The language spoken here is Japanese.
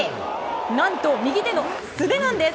何と右手、素手なんです。